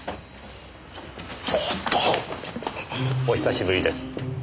お久しぶりです。